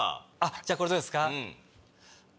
じゃあこれどうですか？いいね。